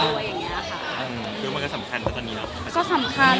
คือมันก็สำคัญแค่ตอนนี้